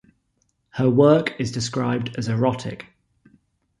Her work is described as erotic.